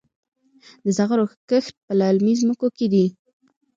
د زغرو کښت په للمي ځمکو کې دی.